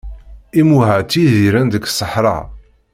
Imuha tidiren deg seḥra.